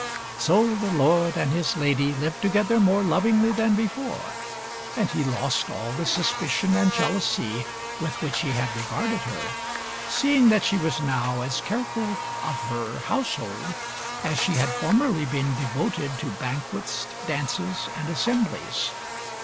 So the lord and his lady lived together more lovingly than before, and he lost all the suspicion and jealousy with which he had regarded her, seeing that she was now as careful of her house hold as she had formerly been devoted to banquets, dances and assemblies.